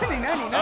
何？